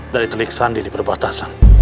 dari telik sandi di perbatasan